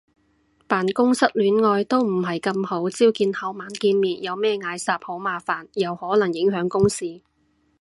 辦公室戀愛都唔係咁好，朝見口晚見面有咩嗌霎好麻煩，又可能影響公事